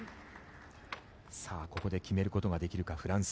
ここで決めることができるか、フランス。